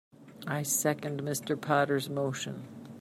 I second Mr. Potter's motion.